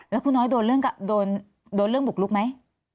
แล้วคุณน้อยโดนเรื่องบุกลุกไหม